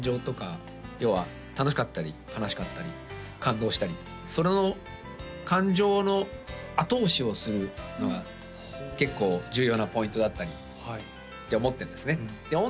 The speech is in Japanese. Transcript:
要は楽しかったり悲しかったり感動したりその感情の後押しをするのが結構重要なポイントだったりって思ってるんですねで